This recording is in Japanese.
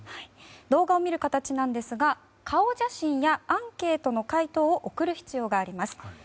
動画を見る形ですが顔写真やアンケートの回答を送る必要があります。